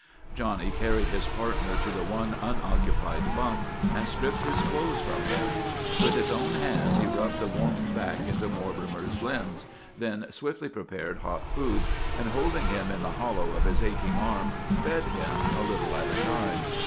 Johnny carried his partner to the one unoccupied bunk and stripped his clothes from him. With his own hands he rubbed the warmth back into Mortimer's limbs, then swiftly prepared hot food, and, holding him in the hollow of his aching arm, fed him, a little at a time.